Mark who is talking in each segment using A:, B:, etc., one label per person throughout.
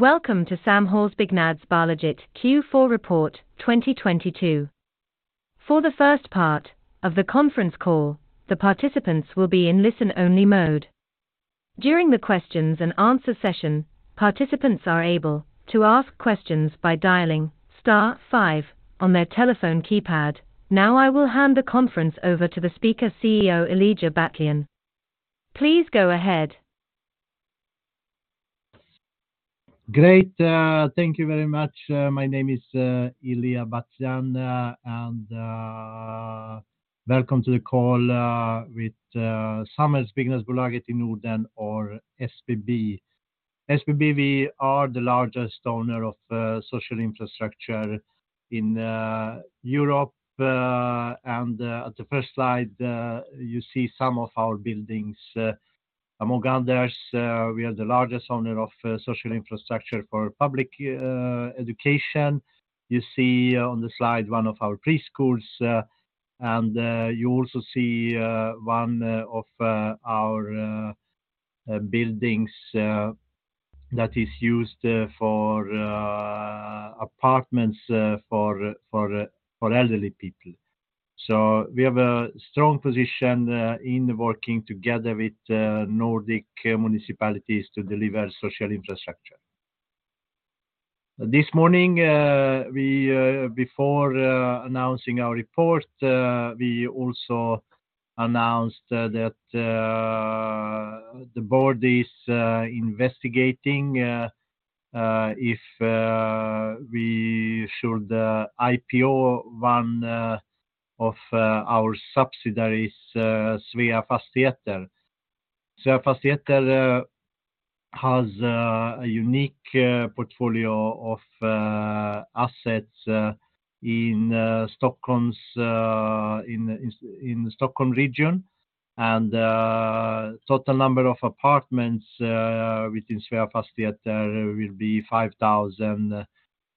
A: Welcome to Samhällsbyggnadsbolaget Q4 Report 2022. For the first part of the conference call, the participants will be in listen only mode. During the questions and answer session, participants are able to ask questions by dialing star five on their telephone keypad. I will hand the conference over to the speaker, CEO Ilija Batljan. Please go ahead.
B: Great. Thank you very much. My name is Ilija Batljan. Welcome to the call with Samhällsbyggnadsbolaget i Norden or SBB. SBB, we are the largest owner of social infrastructure in Europe. At the first slide, you see some of our buildings. Among others, we are the largest owner of social infrastructure for public education. You see on the slide one of our preschools, and you also see one of our buildings that is used for apartments for elderly people. We have a strong position in working together with Nordic municipalities to deliver social infrastructure. This morning, we, before announcing our report, we also announced that the board is investigating if we should IPO one of our subsidiaries, Sveafastigheter. Sveafastigheter has a unique portfolio of assets in Stockholm's in Stockholm region. Total number of apartments within Sveafastigheter will be 5,000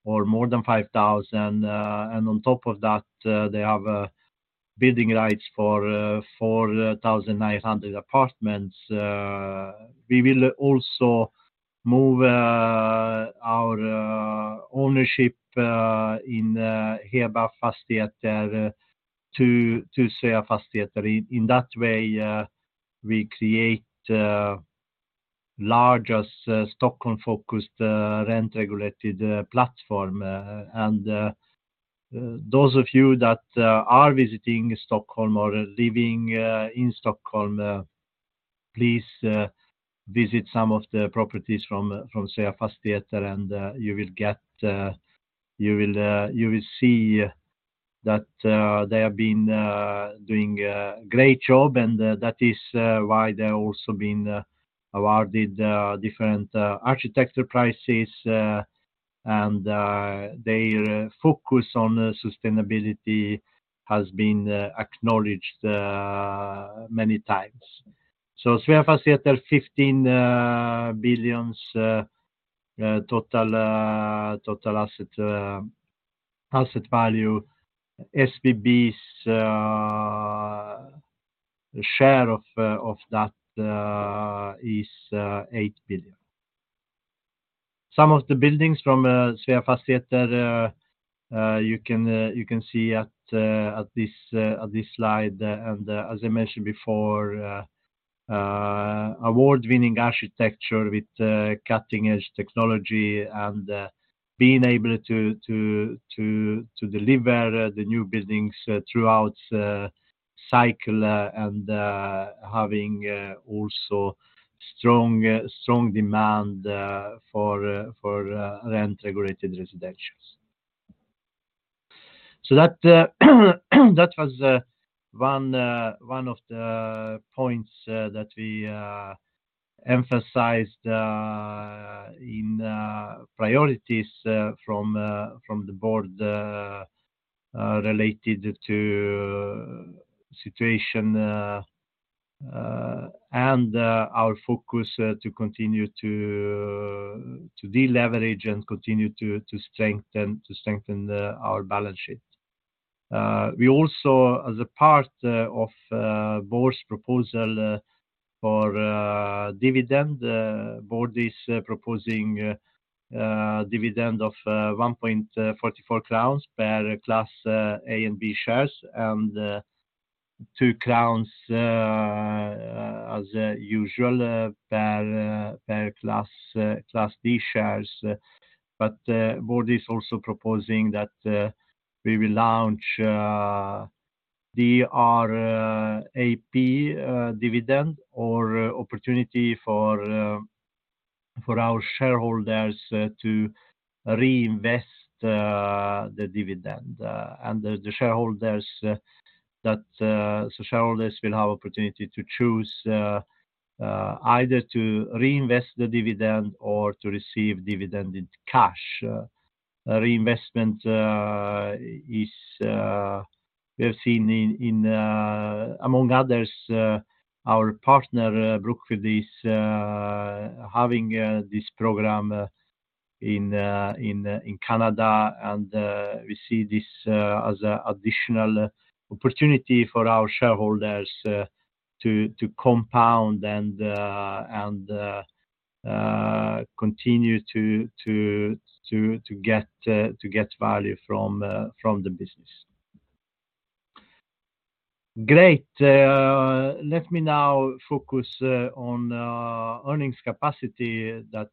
B: or more than 5,000. On top of that, they have building rights for 4,900 apartments. We will also move our ownership in Heba Fastigheter to Sveafastigheter. In that way, we create largest Stockholm-focused rent-regulated platform. Those of you that are visiting Stockholm or living in Stockholm, please visit some of the properties from Sveafastigheter, you will see that they have been doing a great job. That is why they're also been awarded different architecture prices, and their focus on sustainability has been acknowledged many times. Sveafastigheter, SEK 15 billion total asset value. SBB's share of that is 8 billion. Some of the buildings from Sveafastigheter, you can see at this slide. As I mentioned before, award-winning architecture with cutting-edge technology and being able to deliver the new buildings throughout cycle and having also strong demand for rent-regulated residentials. That was one of the points that we emphasized in priorities from the board related to situation and our focus to continue to deleverage and continue to strengthen our balance sheet. We also as a part of board's proposal for dividend. Board is proposing dividend of 1.44 crowns per Class A and B shares, and 2 crowns as usual per Class D shares. Board is also proposing that we will launch DRIP, dividend or opportunity for our shareholders to reinvest the dividend. Shareholders will have opportunity to choose either to reinvest the dividend or to receive dividend in cash. Reinvestment is we've seen in among others, our partner Brookfield is having this program in Canada. We see this as additional opportunity for our shareholders to compound and continue to get value from the business. Great. Let me now focus on earnings capacity that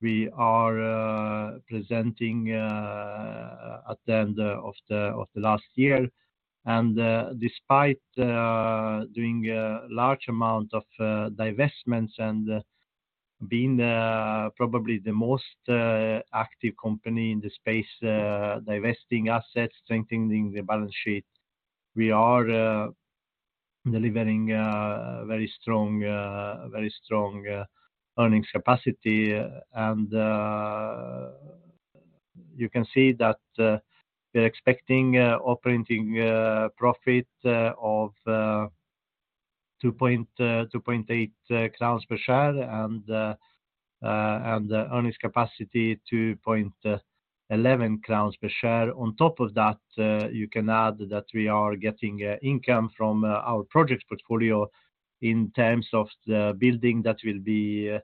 B: we are presenting at the end of the last year. Despite doing a large amount of divestments and being probably the most active company in the space, divesting assets, strengthening the balance sheet, we are delivering very strong earnings capacity. You can see that we're expecting operating profit of 2.8 crowns per share and earnings capacity SEK 2.11 per share. On top of that, you can add that we are getting income from our projects portfolio in terms of the building that will be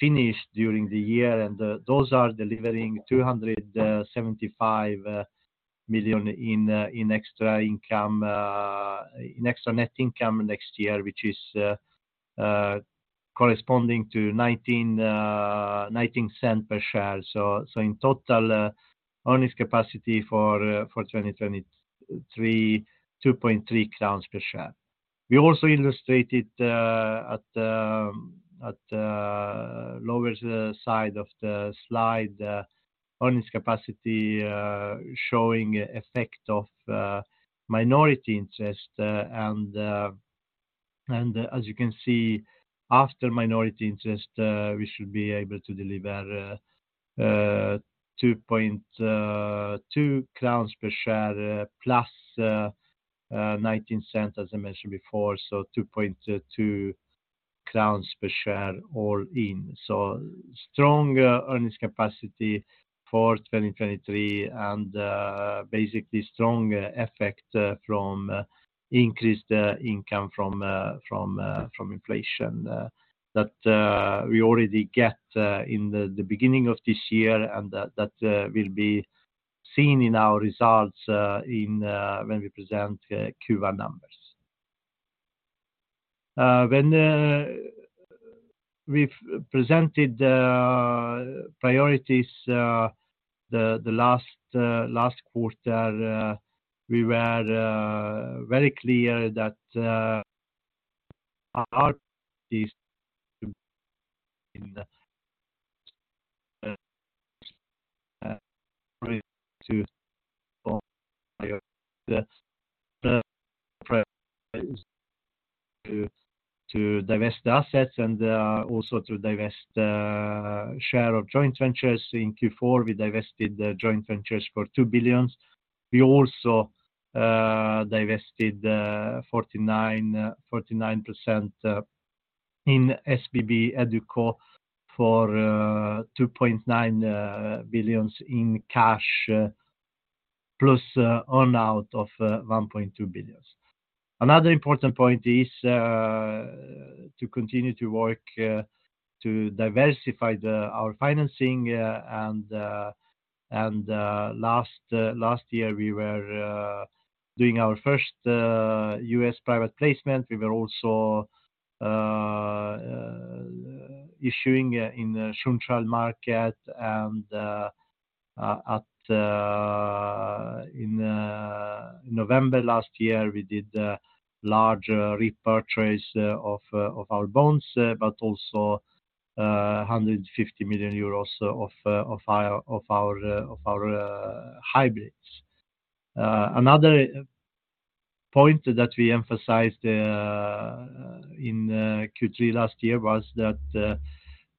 B: finished during the year. Those are delivering 275 million in extra income, in extra net income next year, which is corresponding to 0.19 per share. In total, earnings capacity for 2023, 2.3 crowns per share. We also illustrated at the lower side of the slide, earnings capacity showing effect of minority interest. As you can see, after minority interest, we should be able to deliver 2.2 crowns per share plus 0.19 as I mentioned before. 2.2 crowns per share all in. Strong earnings capacity for 2023 and basically strong effect from increased income from inflation that we already get in the beginning of this year. That will be seen in our results in when we present Q1 numbers. We have presented priorities the last quarter, we were very clear that our is to divest assets and also to divest share of joint ventures. In Q4, we divested the joint ventures for 2 billion SEK. We also divested 49% in SBB EduCo for 2.9 billion SEK in cash, plus earn out of 1.2 billion SEK. Another important point is to continue to work to diversify our financing, and last year, we were doing our first U.S. private placement. We were also issuing in the Schuldschein market In November last year, we did a large repurchase of our bonds, but also EUR 150 million of our hybrids. Another point that we emphasized in Q3 last year was that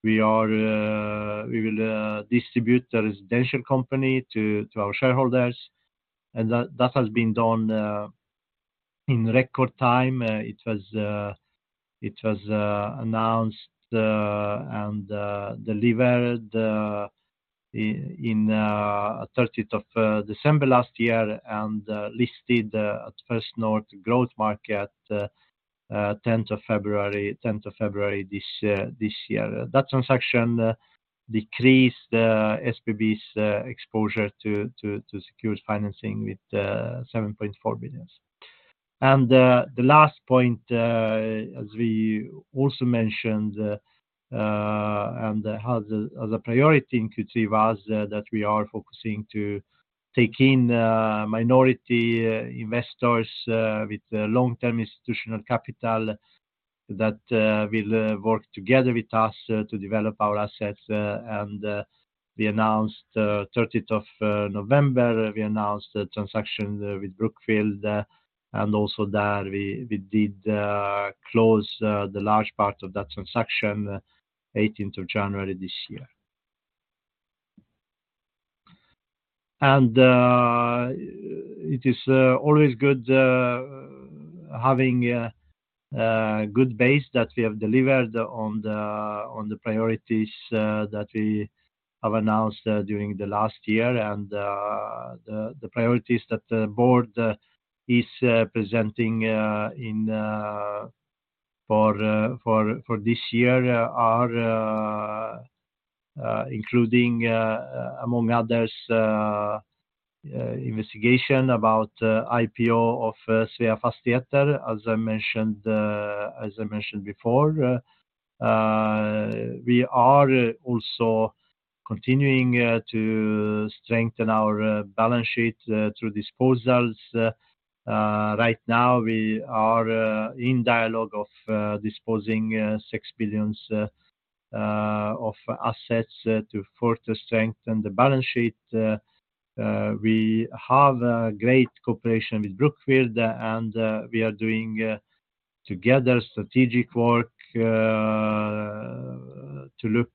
B: we are, we will distribute the residential company to our shareholders. That has been done in record time. It was announced and delivered in 30th of December last year and listed at First North Growth Market 10th of February this year. That transaction decreased SBB's exposure to secured financing with 7.4 billion. The last point, as we also mentioned, and as a, as a priority in Q3 was that we are focusing to take in minority investors with long-term institutional capital that will work together with us to develop our assets. We announced thirtieth of November, we announced the transaction with Brookfield. Also there we did close the large part of that transaction eighteenth of January this year. It is always good having a good base that weI've announced during the last year, and the priorities that the board is presenting for this year are including among others investigation about IPO of Sveafastigheter, as I mentioned before. We are also continuing to strengthen our balance sheet through disposals. Right now we are in dialogue of disposing 6 billion of assets to further strengthen the balance sheet. We have a great cooperation with Brookfield and we are doing together strategic work to look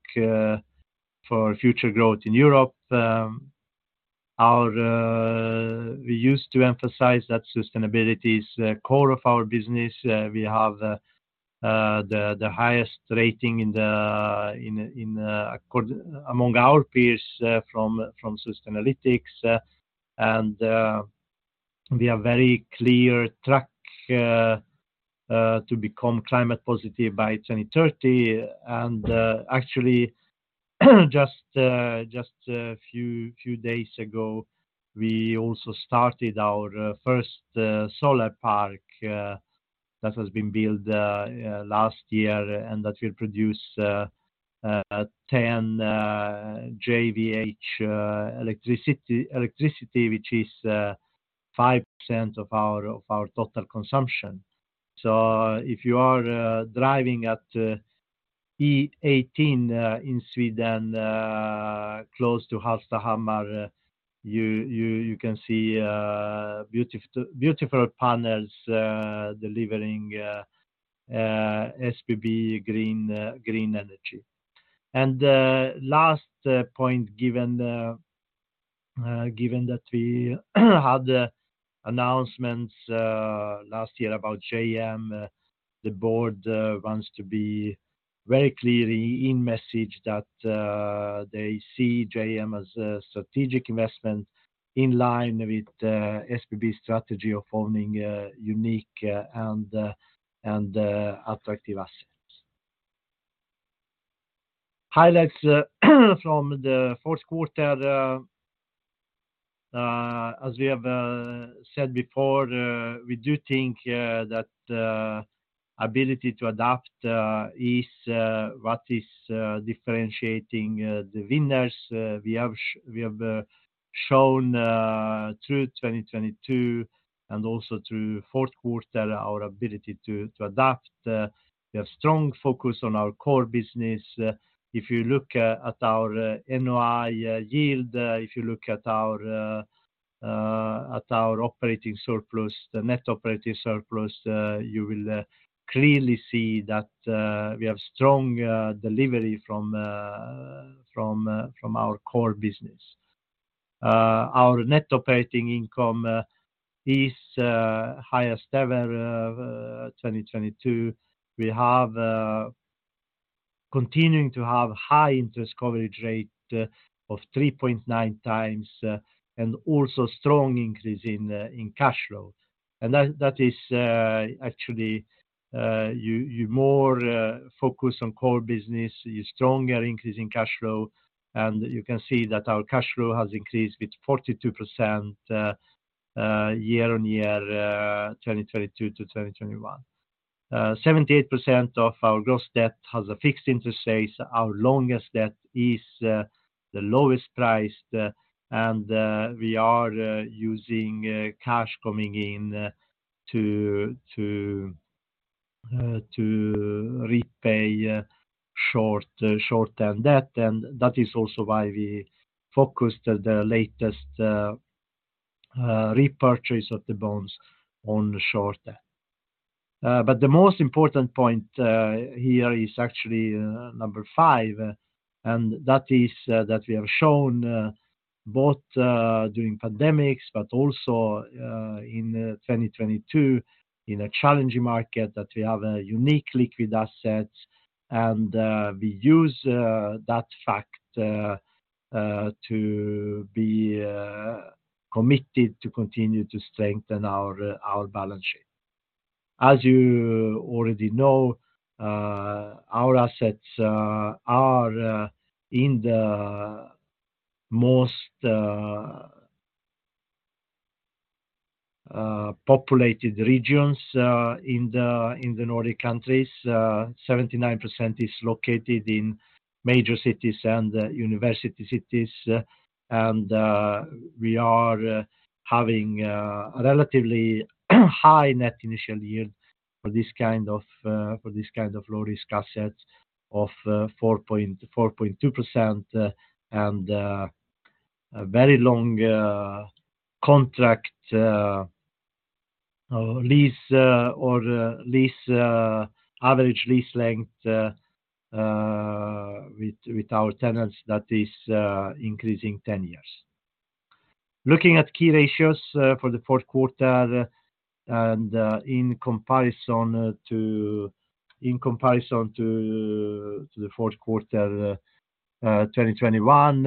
B: for future growth in Europe. Our. We used to emphasize that sustainability is the core of our business. We have the highest rating in accord among our peers from Sustainalytics, and we are very clear track to become climate positive by 2030. actually, just a few days ago, we also started our first solar park that has been built last year, and that will produce 10 TWh electricity, which is 5% of our total consumption. If you are driving at E18 in Sweden close to Hallstahammar, you can see beautiful panels delivering SBB green energy. Last point given that we had announcements last year about JM, the board wants to be very clearly in message that they see JM as a strategic investment in line with SBB strategy of owning unique and attractive assets. Highlights from the fourth quarter. As we have said before, we do think that ability to adapt is what is differentiating the winners. We have shown through 2022 and also through fourth quarter our ability to adapt. We have strong focus on our core business. If you look at our NOI yield, if you look at our operating surplus, the net operating surplus, you will clearly see that we have strong delivery from our core business. Our net operating income is highest ever 2022. We have continuing to have high interest coverage rate of 3.9x and also strong increase in cash flow. That is actually you more focus on core business, you stronger increase in cash flow. You can see that our cash flow has increased with 42% year-on-year 2022 to 2021, 78% of our gross debt has a fixed interest rate. Our longest debt is the lowest priced. We are using cash coming in to repay short-term debt. That is also why we focused the latest repurchase of the bonds on short-term. The most important point here is actually number 5, and that is that we have shown both during pandemics, but also in 2022, in a challenging market, that we have a unique liquid assets. We use that fact to be committed to continue to strengthen our balance sheet. As you already know, our assets are in the most populated regions in the Nordic countries, 79% is located in major cities and university cities. We are having a relatively high net initial yield for this kind of for this kind of low-risk assets of 4.2%, and a very long contract or lease average lease length with our tenants that is increasing 10 years. Looking at key ratios for the fourth quarter and in comparison to the fourth quarter 2021,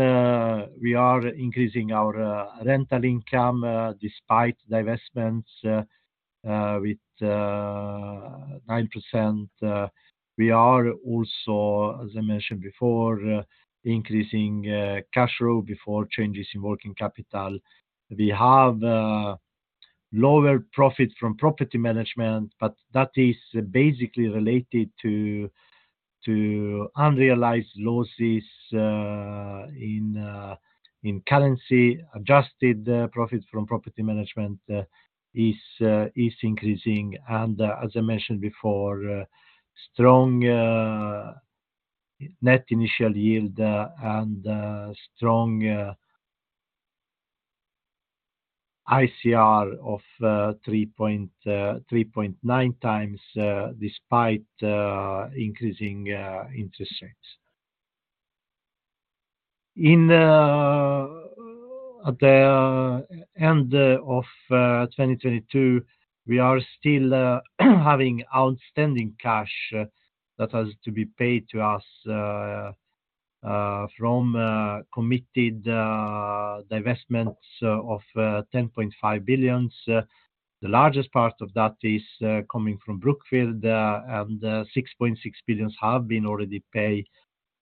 B: we are increasing our rental income despite divestments with 9%. We are also, as I mentioned before, increasing cash flow before changes in working capital. We have lower profit from property management, that is basically related to unrealized losses in currency. Adjusted profit from property management is increasing. As I mentioned before, strong net initial yield and strong ICR of 3.9x despite increasing interest rates. At the end of 2022, we are still having outstanding cash that has to be paid to us from committed divestments of 10.5 billion. The largest part of that is coming from Brookfield. 6.6 billion have been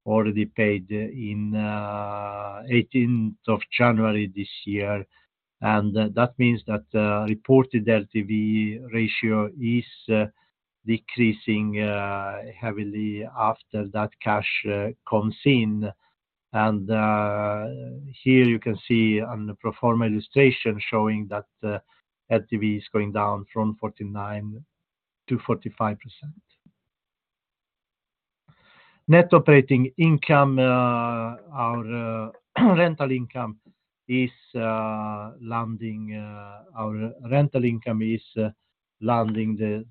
B: already paid in 18th of January this year. That means that reported LTV ratio is decreasing heavily after that cash comes in. Here you can see on the pro forma illustration showing that LTV is going down from 49 to 45%. Net operating income. Our rental income is landing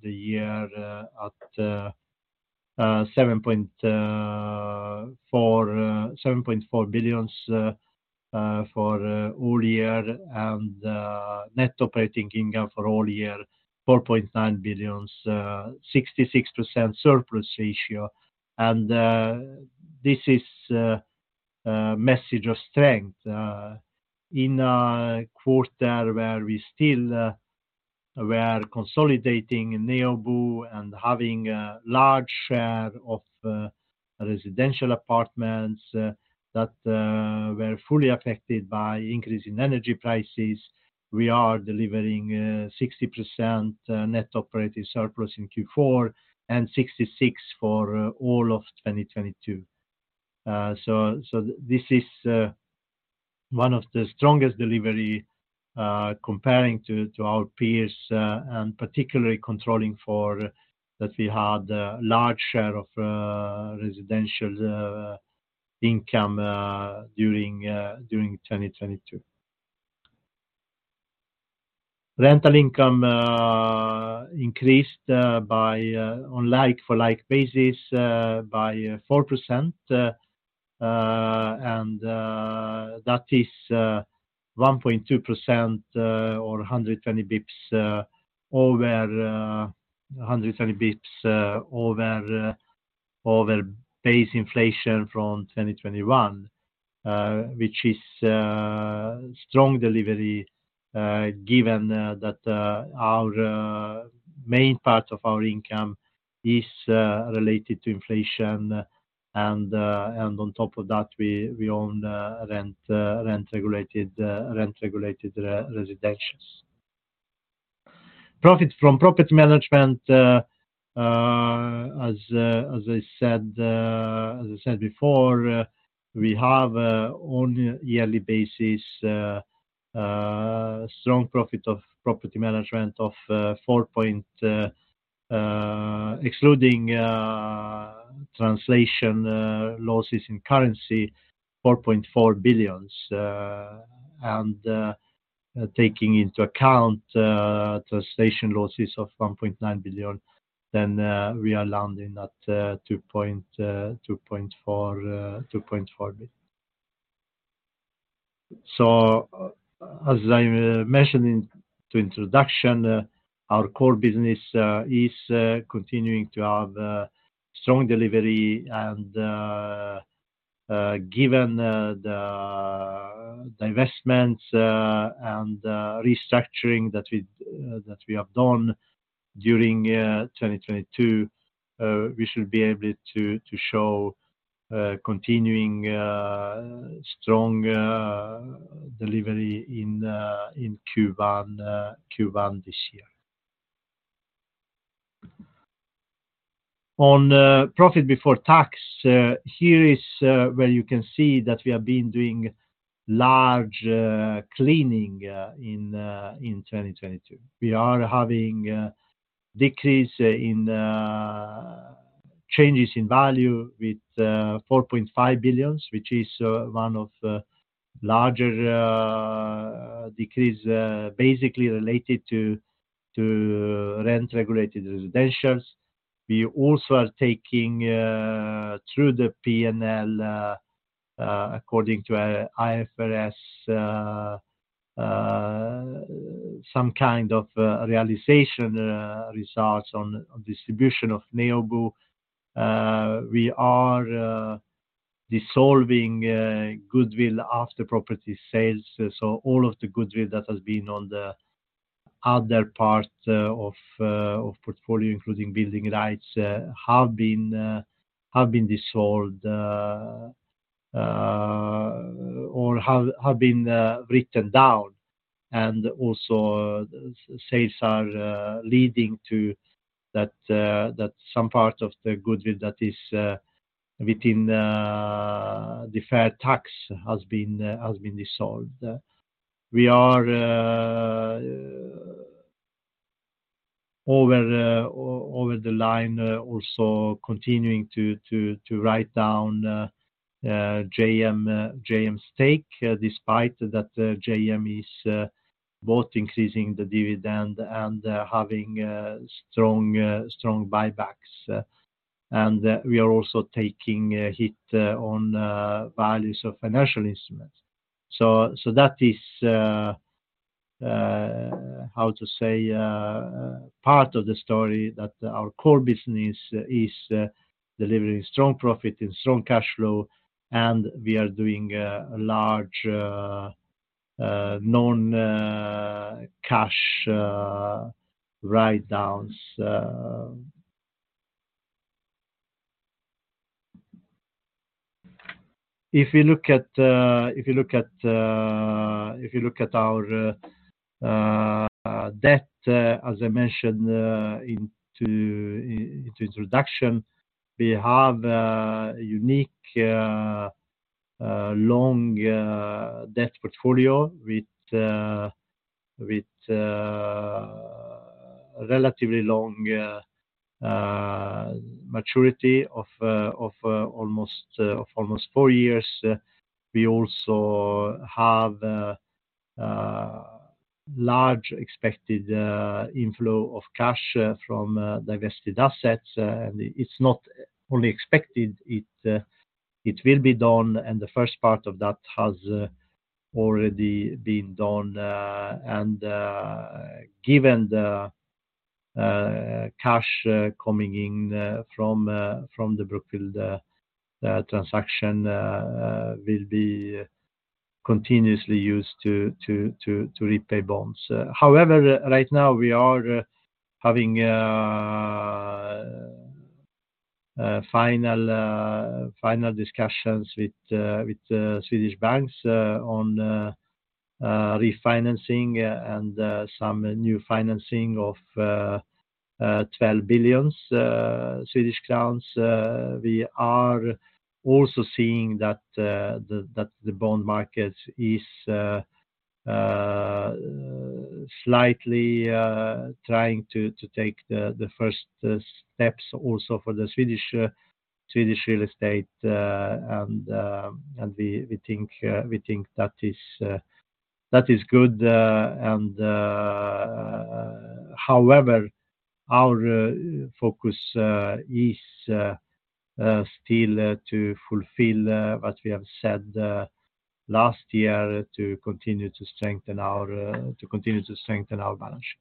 B: the year at 7.4 billion for all year. Net operating income for all year, 4.9 billion, 66% surplus ratio. This is a message of strength in a quarter where we still were consolidating Neobo and having a large share of residential apartments that were fully affected by increase in energy prices. We are delivering 60% net operating surplus in Q4 and 66 for all of 2022. This is one of the strongest delivery comparing to our peers, and particularly controlling for that we had a large share of residential income during 2022. Rental income increased by on like-for-like basis by 4%. That is 1.2% or 120 basis points over 120 basis points over base inflation from 2021. Which is strong delivery given that our main part of our income is related to inflation. On top of that, we own rent-regulated residences. Profit from property management. As I said, as I said before, we have on a yearly basis a strong profit of property management of, excluding translation losses in currency, 4.4 billion. Taking into account translation losses of 1.9 billion, we are landing at 2.4. As I mentioned in the introduction, our core business is continuing to have a strong delivery. Given the divestments and restructuring that we have done during 2022, we should be able to show continuing strong delivery in Q1 this year. On profit before tax, here is where you can see that we have been doing large cleaning in 2022. We are having a decrease in changes in value with 4.5 billion, which is one of larger decrees, basically related to rent-regulated residentials. We also are taking through the P&L according to IFRS some kind of realization results on distribution of Neobo. We are dissolving goodwill after property sales. All of the goodwill that has been on the other part of portfolio, including building rights, have been dissolved or have been written down. Also sales are leading to that some part of the goodwill that is within deferred tax has been dissolved. We are over the line also continuing to write down JM's stake, despite that JM is both increasing the dividend and having strong buybacks. We are also taking a hit on values of financial instruments. That is how to say, part of the story that our core business is delivering strong profit and strong cash flow, and we are doing large known cash write-downs. If you look at... If you look at our debt, as I mentioned into introduction, we have a unique, long debt portfolio with relatively long maturity of almost four years. We also have large expected inflow of cash from divested assets. It's not only expected, it will be done, and the first part of that has already been done. Given the cash coming in from the Brookfield transaction, will be continuously used to repay bonds. However, right now we are having final discussions with Swedish banks on refinancing and some new financing of SEK 12 billion. We are also seeing that the bond market is slightly trying to take the first steps also for the Swedish real estate. We think that is good. However, our focus is still to fulfill what we have said last year to continue to strengthen our balance sheet.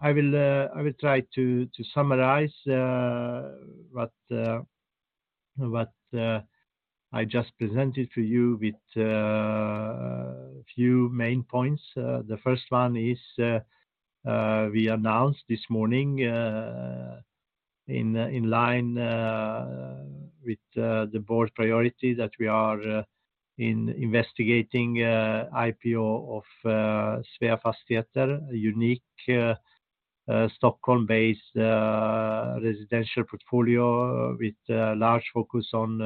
B: I will try to summarize what I just presented to you with few main points. The first one is, we announced this morning, in line with the board priority that we are investigating IPO of Sveafastigheter, a unique Stockholm-based residential portfolio with large focus on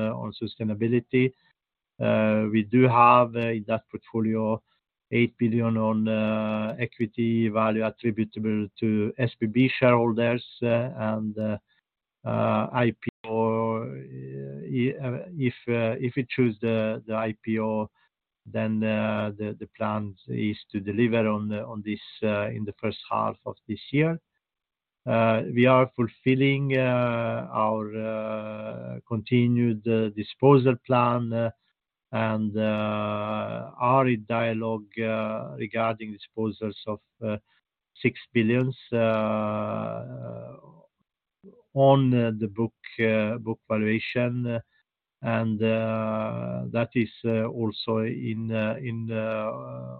B: sustainability. We do have in that portfolio 8 billion on equity value attributable to SBB shareholders, and IPO. If we choose the IPO then the plan is to deliver on this in the first half of this year. We are fulfilling our continued disposal plan, and are in dialogue regarding disposals of 6 billion on the book valuation. That is also in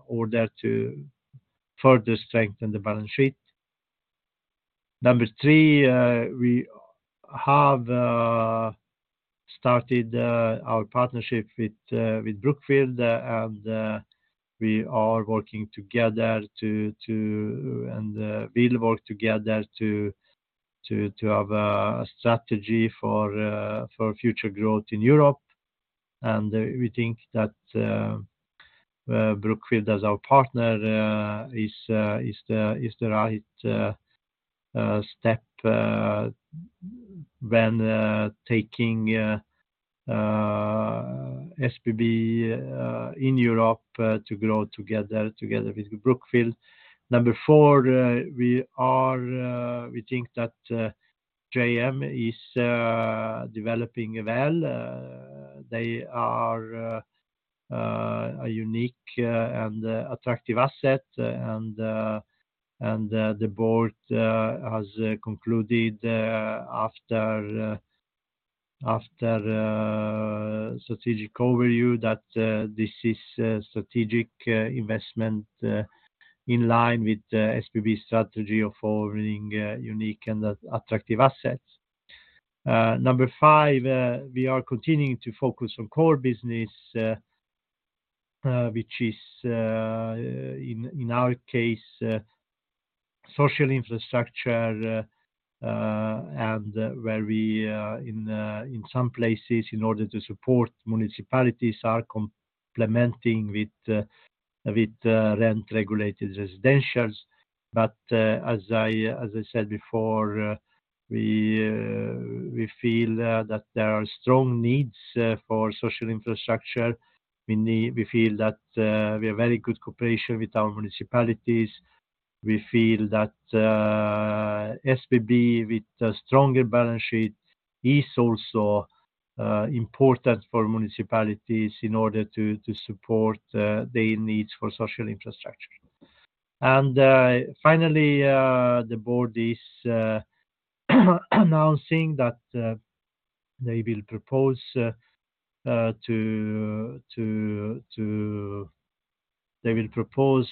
B: order to further strengthen the balance sheet. Number 3, we have started our partnership with Brookfield, and we are working together and will work together to have a strategy for future growth in Europe. We think that Brookfield as our partner is the, is the right step when taking SBB in Europe to grow together with Brookfield. Number four, we are, we think that JM is developing well. They are a unique and attractive asset. The board has concluded after strategic overview that this is a strategic investment in line with the SBB strategy of owning unique and attractive assets. Number five, we are continuing to focus on core business, which is in our case, social infrastructure, and where we in some places in order to support municipalities are complementing with rent-regulated residentials. As I said before, we feel that there are strong needs for social infrastructure. We feel that we have very good cooperation with our municipalities. We feel that SBB with a stronger balance sheet is also important for municipalities in order to support their needs for social infrastructure. Finally, the board is announcing that they will propose to... They will propose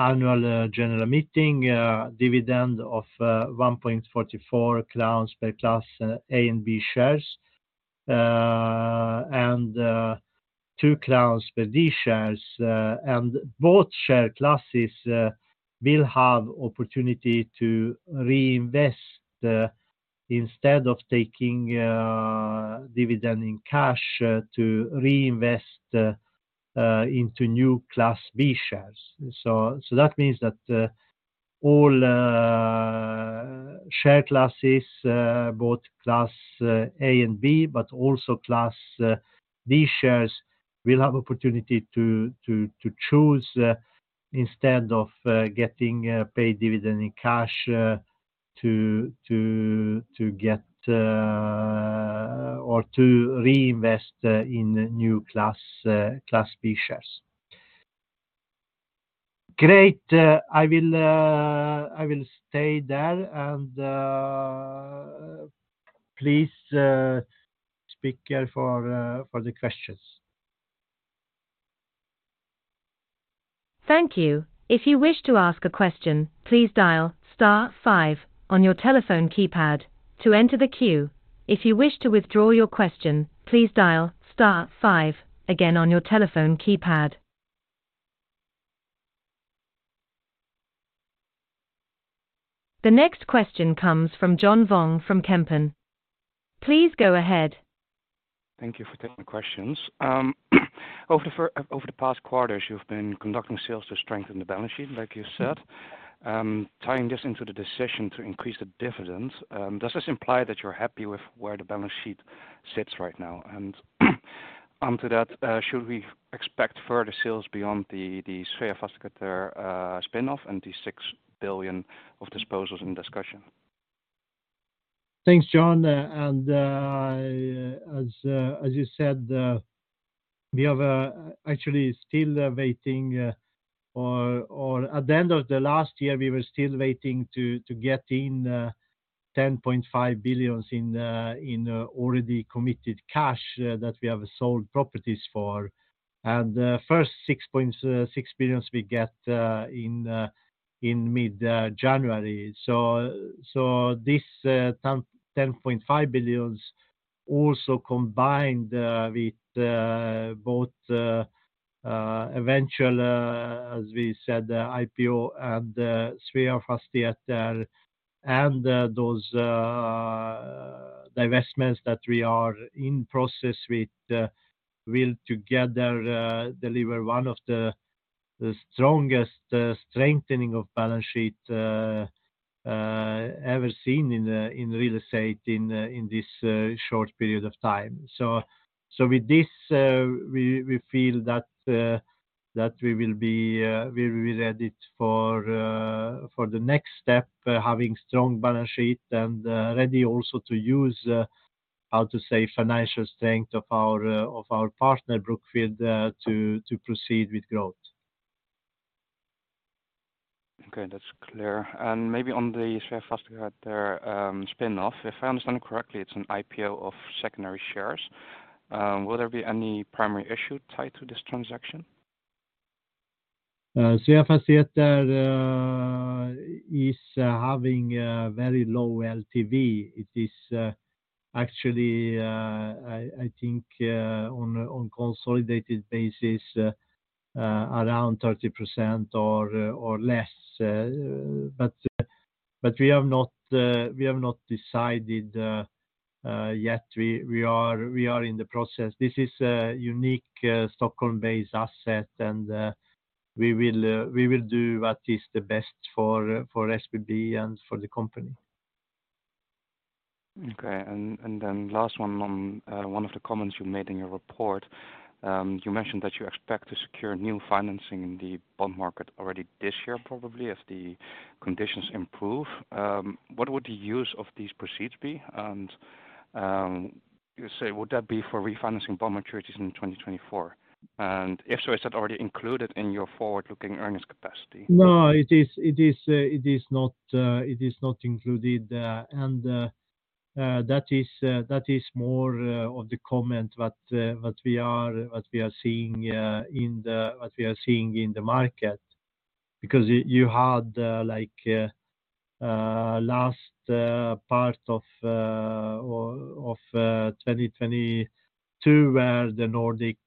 B: to annual general meeting dividend of 1.44 crowns per Class A and B shares. Two SEK per Class D shares. Both share classes will have opportunity to reinvest instead of taking dividend in cash, to reinvest into new Class B shares. That means that all share classes, both Class A and B, but also Class D shares will have opportunity to choose instead of getting paid dividend in cash, to get or to reinvest in new Class B shares. Great. I will stay there. Please speaker for the questions.
A: Thank you. If you wish to ask a question, please dial star five on your telephone keypad to enter the queue. If you wish to withdraw your question, please dial star five again on your telephone keypad. The next question comes from John Vuong from Kempen. Please go ahead.
C: Thank you for taking the questions. Over the past quarters, you've been conducting sales to strengthen the balance sheet like you said. Tying this into the decision to increase the dividend, does this imply that you're happy with where the balance sheet sits right now? Onto that, should we expect further sales beyond the Sveafastigheter spin-off and the 6 billion of disposals in discussion?
B: Thanks, John. As you said, we have actually still waiting, or at the end of the last year, we were still waiting to get in 10.5 billion in already committed cash that we have sold properties for. First 6.6 billion we get in mid January. This 10.5 billion also combined with both eventual as we said, IPO and Sveafastigheter, and those divestments that we are in process with, will together deliver one of the strongest strengthening of balance sheet ever seen in real estate in this short period of time. With this, we feel that we will be ready for the next step, having strong balance sheet and ready also to use, how to say, financial strength of our partner, Brookfield, to proceed with growth.
C: Okay. That's clear. Maybe on the Sveafastigheter spin-off. If I understand correctly, it's an IPO of secondary shares. Will there be any primary issue tied to this transaction?
B: Sveafastigheter is having a very low LTV. It is, actually, I think, on consolidated basis, around 30% or less. We have not decided, yet we are in the process. This is a unique Stockholm-based asset, and we will do what is the best for SBB and for the company.
C: Okay. Then last one on one of the comments you made in your report. You mentioned that you expect to secure new financing in the bond market already this year, probably as the conditions improve. What would the use of these proceeds be and you say would that be for refinancing bond maturities in 2024? If so, is that already included in your forward-looking earnings capacity?
B: No, it is not included. That is more of the comment what we are seeing in the market. Because you had like last part of 2022 where the Nordic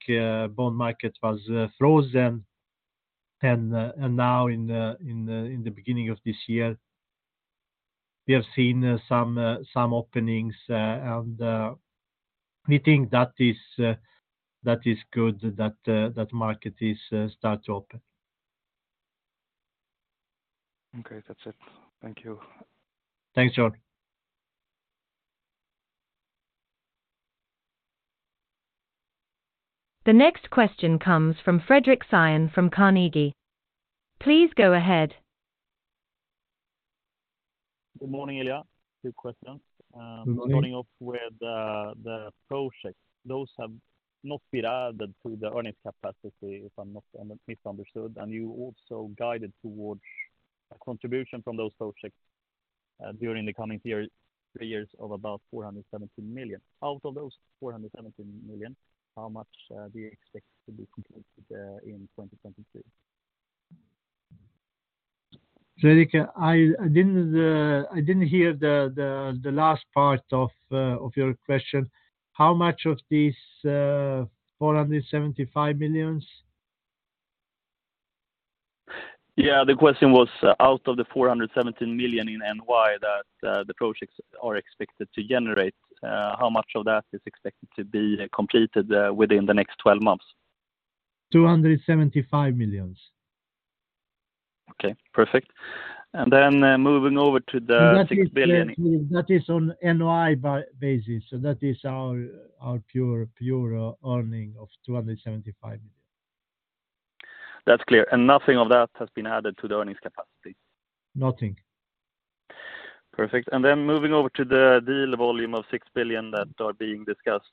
B: bond market was frozen. Now in the beginning of this year, we have seen some openings, and we think that is good that market is start to open.
C: Okay. That's it. Thank you.
B: Thanks, John.
A: The next question comes from Fredric Cyon from Carnegie. Please go ahead.
D: Good morning, Ilija. Two questions.
B: Mm-hmm.
D: Starting off with the projects. Those have not been added to the earnings capacity, if I misunderstood. You also guided towards a contribution from those projects during the coming year, three years of about 417 million. Out of those 417 million, how much do you expect to be completed in 2022?
B: Fredric, I didn't hear the last part of your question. How much of these 475 million?
D: Yeah. The question was out of the 417 million in NOI that the projects are expected to generate, how much of that is expected to be completed within the next 12 months?
B: Two hundred and seventy-five millions.
D: Okay, perfect. Moving over to the 6 billion SEK-
B: That is on NOI basis. That is our pure earning of 275 million.
D: That's clear. Nothing of that has been added to the earnings capacity?
B: Nothing.
D: Perfect. Then moving over to the deal volume of 6 billion that are being discussed.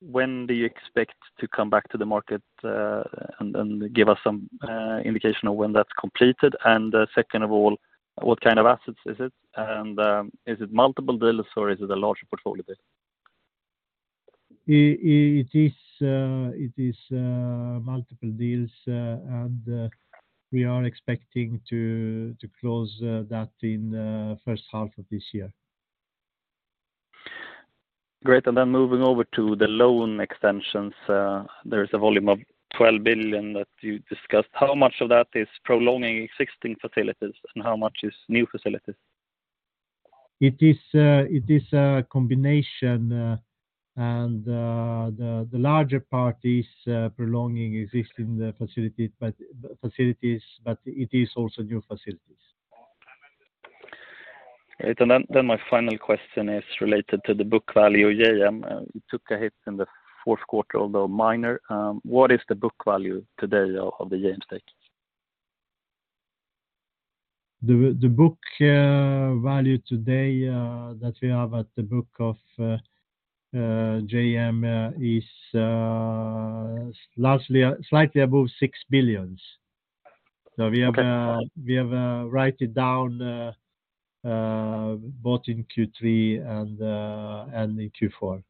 D: When do you expect to come back to the market and give us some indication of when that's completed? Second of all, what kind of assets is it and is it multiple deals or is it a larger portfolio bid?
B: It is multiple deals. We are expecting to close that in first half of this year.
D: Great. Moving over to the loan extensions. There is a volume of 12 billion that you discussed. How much of that is prolonging existing facilities and how much is new facilities?
B: It is a combination, and the larger part is prolonging existing the facility, facilities, but it is also new facilities.
D: Great. Then my final question is related to the book value of JM. It took a hit in the fourth quarter, although minor. What is the book value today of the JM stake?
B: The book value today, that we have at the book of JM, is largely, slightly above 6 billion.
D: Okay.
B: We have, write it down, both in Q3 and in Q4.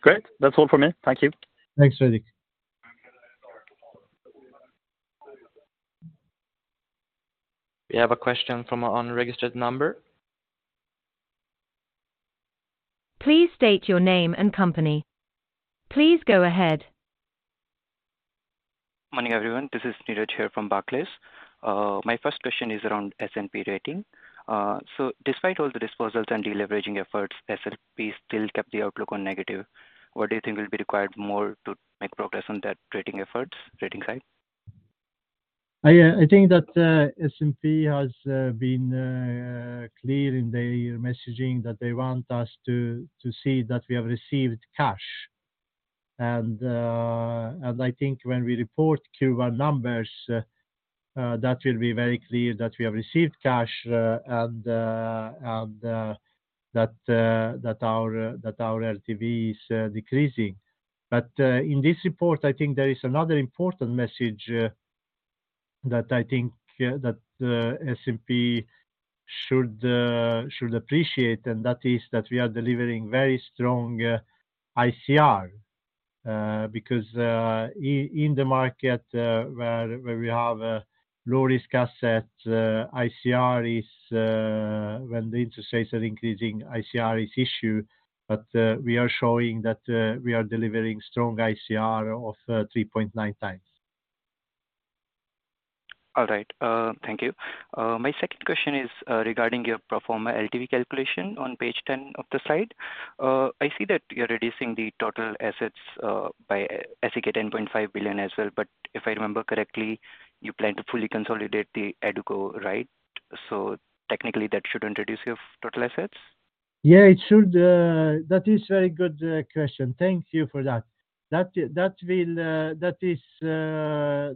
D: Great. That's all for me. Thank you.
B: Thanks, Fredric.
A: We have a question from our unregistered number. Please state your name and company. Please go ahead.
E: Morning, everyone. This is Neeraj here from Barclays. My first question is around S&P rating. Despite all the disposals and deleveraging efforts, S&P still kept the outlook on negative. What do you think will be required more to make progress on that rating side?
B: I think that S&P has been clear in their messaging that they want us to see that we have received cash. I think when we report Q1 numbers, that will be very clear that we have received cash, and that our LTV is decreasing. In this report, I think there is another important message that I think S&P should appreciate, and that is that we are delivering very strong ICR. Because in the market where we have low-risk asset, ICR is when the interest rates are increasing, ICR is issue. We are showing that we are delivering strong ICR of 3.9x.
E: All right. Thank you. My second question is, regarding your pro forma LTV calculation on page 10 of the slide. I see that you're reducing the total assets, by SEK 10.5 billion as well. If I remember correctly, you plan to fully consolidate the EduCo, right? Technically, that shouldn't reduce your total assets.
B: Yeah, it should. That is a very good question. Thank you for that.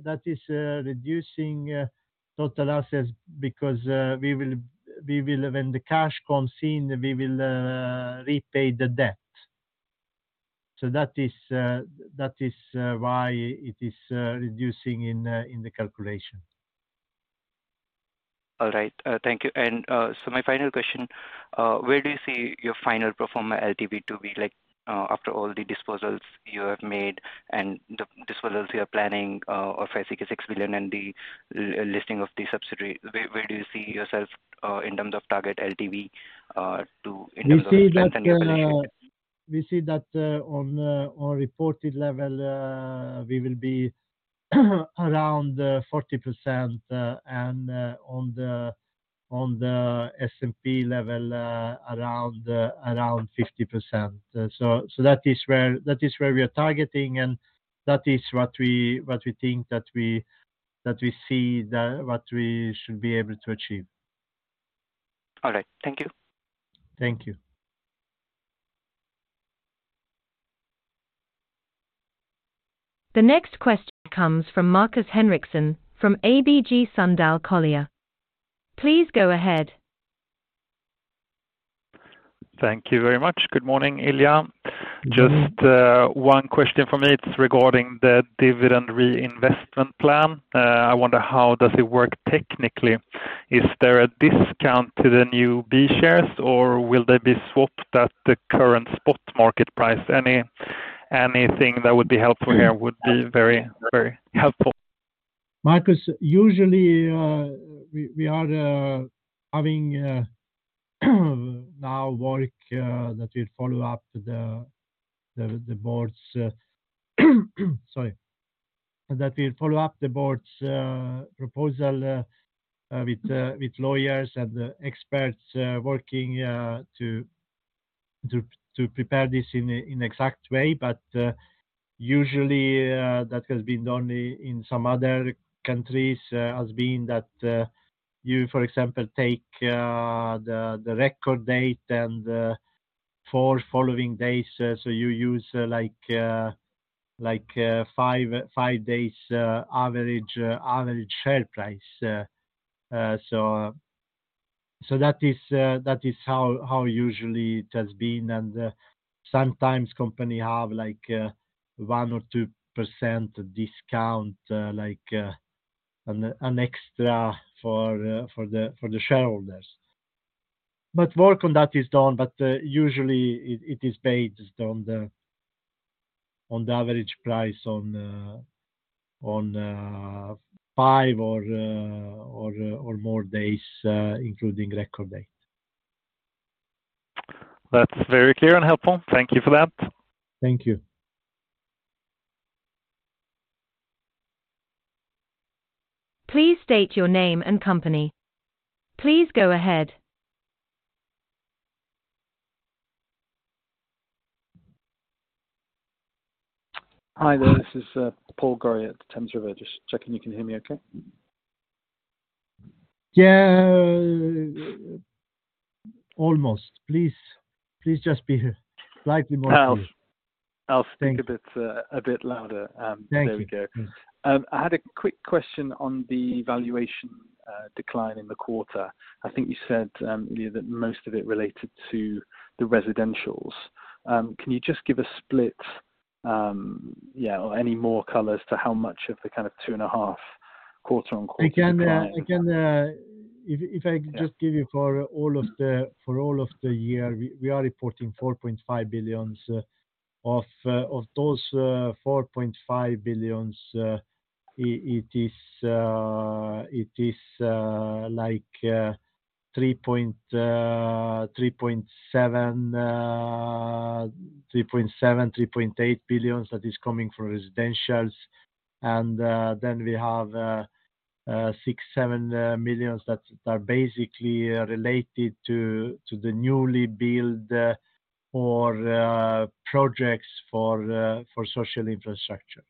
B: That is reducing total assets because when the cash comes in, we will repay the debt. That is why it is reducing in in the calculation.
E: All right. Thank you. My final question, where do you see your final pro forma LTV to be like, after all the disposals you have made and the disposals you are planning, of SEK 6 billion and the listing of the subsidiary? Where do you see yourself, in terms of target LTV, to?
B: We see that on reported level we will be around 40% and on the S&P level around 50%. That is where we are targeting and that is what we think that we should be able to achieve.
E: All right. Thank you.
B: Thank you.
A: The next question comes from Markus Henriksson from ABG Sundal Collier. Please go ahead.
F: Thank you very much. Good morning, Ilija.
B: Mm-hmm.
F: Just one question from me. It's regarding the dividend reinvestment plan. I wonder how does it work technically? Is there a discount to the new Class B shares, or will they be swapped at the current spot market price? Anything that would be helpful here would be very, very helpful.
B: Markus, usually, we are having now work that will follow up the board's, sorry, that will follow up the board's proposal with lawyers and experts working to prepare this in exact way. Usually, that has been done in some other countries, has been that, you, for example, take the record date and four following days. You use like five days average share price. That is how usually it has been. Sometimes company have like 1% or 2% discount, like an extra for the shareholders. Work on that is done, but usually it is based on the average price on 5 or more days, including record date.
F: That's very clear and helpful. Thank you for that.
B: Thank you.
A: Please state your name and company. Please go ahead.
G: Hi there. This is Paul Gorrie at Thames River. Just checking you can hear me okay.
B: Almost. Please just be slightly more clear.
G: I'll speak a bit, a bit louder.
B: Thank you.
G: There we go. I had a quick question on the valuation decline in the quarter. I think you said, you know, that most of it related to the residentials. Can you just give a split, or any more colors to how much of the, kind of, two and a half quarter on quarter decline-
B: I can, if I just give you for all of the year, we are reporting 4.5 billion. Of those 4.5 billion, it is like 3.7 billion-3.8 billion that is coming from residentials. Then we have 6 million-7 million that are basically related to the newly built or projects for social infrastructure.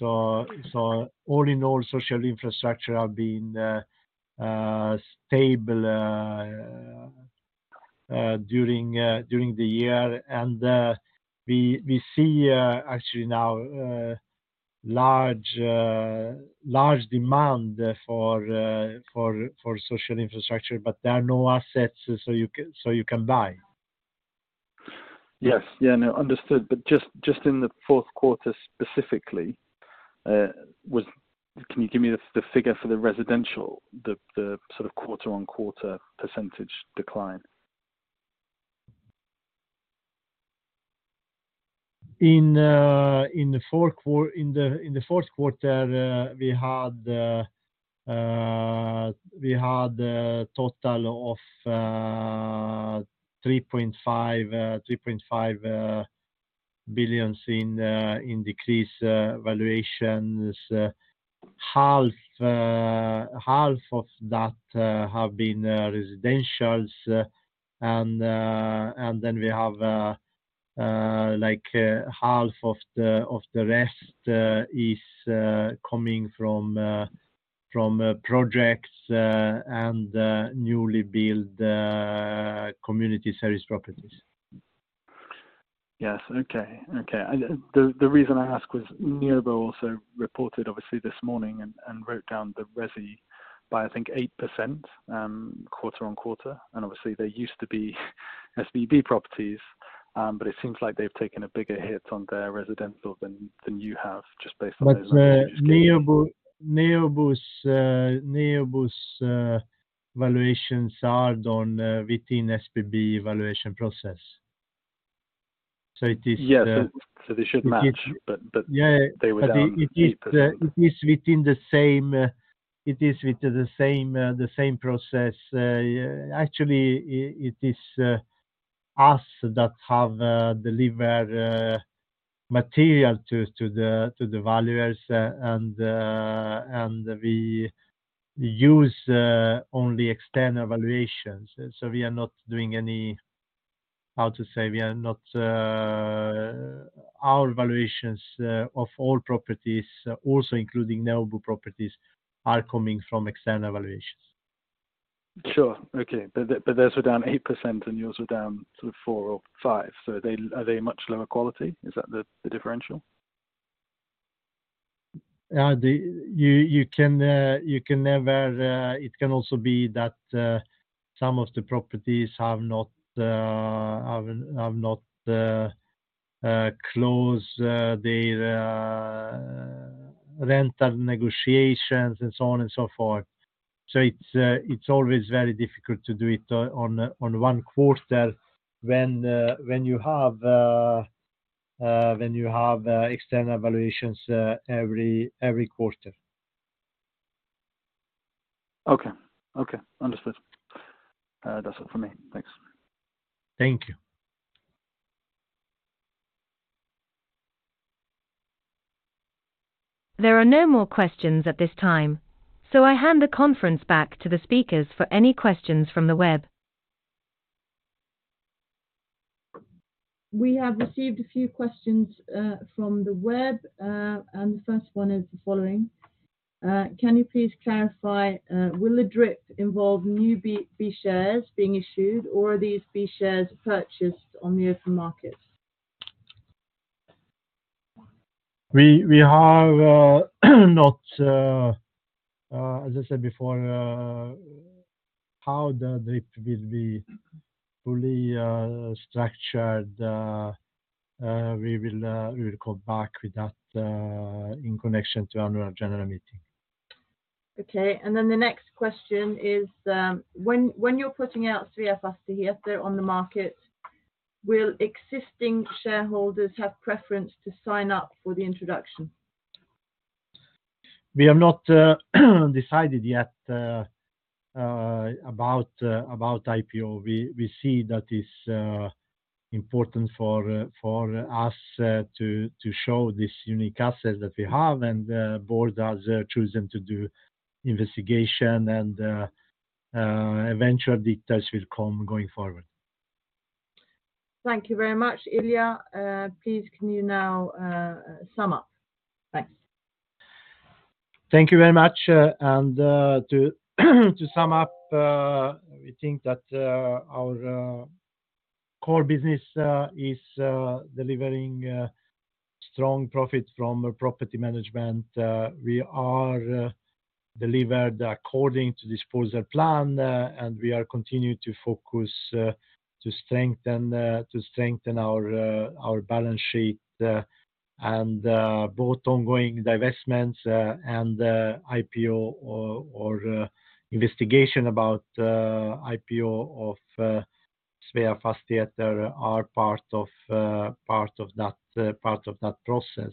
B: All in all, social infrastructure have been stable during the year. We see actually now large demand for social infrastructure, but there are no assets, so you can buy.
G: Yes. Yeah, no. Understood. Just in the fourth quarter specifically, can you give me the figure for the residential, the sort of quarter-on-quarter percentage decline?
B: In the fourth quarter, we had a total of SEK 3.5 billion in decreased valuations. Half of that have been residentials, and then we have, like, half of the rest is coming from projects and newly built community service properties.
G: Yes. Okay. Okay. The, the reason I ask was Neobo also reported obviously this morning and wrote down the resi by, I think, 8%, quarter-on-quarter. Obviously they used to be SBB properties, but it seems like they've taken a bigger hit on their residential than you have just based on those numbers.
B: Neobo's valuations are done within SBB valuation process. It is.
G: Yes. They should match.
B: It
G: They were down 8%.
B: It is within the same, it is with the same, the same process. Actually it is us that have delivered material to the valuers, and we use only external valuations. We are not doing any. How to say? We are not. Our valuations of all properties, also including Neobo properties, are coming from external valuations.
G: Sure. Okay. Theirs were down 8% and yours were down sort of 4 or 5. Are they much lower quality? Is that the differential?
B: You can never. It can also be that some of the properties have not closed their rental negotiations and so on and so forth. It's always very difficult to do it on one quarter when you have external valuations every quarter.
G: Okay. Okay. Understood. That's all for me. Thanks.
B: Thank you.
A: There are no more questions at this time, so I hand the conference back to the speakers for any questions from the web.
H: We have received a few questions from the web. The first one is the following. Can you please clarify, will the DRIP involve new B shares being issued or are these B shares purchased on the open market?
B: We have not as I said before how the DRIP will be fully structured, we will come back with that in connection to annual general meeting.
H: Okay. The next question is, when you're putting out Sveafastigheter on the market, will existing shareholders have preference to sign up for the introduction?
B: We have not decided yet about IPO. We see that it's important for us to show this unique asset that we have. The board has chosen to do investigation, and eventually details will come going forward.
H: Thank you very much. Ilija, please can you now sum up? Thanks.
B: Thank you very much. To sum up, we think that our core business is delivering strong profit from property management. We are delivered according to disposal plan, and we are continuing to focus to strengthen our balance sheet. Both ongoing divestments and IPO or investigation about IPO of Sveafastigheter are part of that process.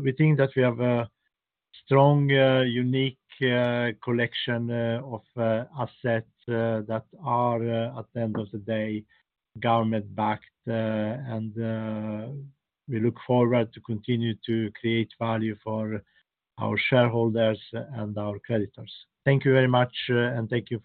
B: We think that we have a strong, unique collection of assets that are, at the end of the day, government-backed. We look forward to continue to create value for our shareholders and our creditors. Thank you very much, and thank you for